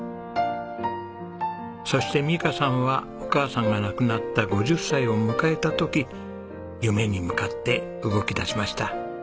そして美香さんはお母さんが亡くなった５０歳を迎えた時夢に向かって動きだしました。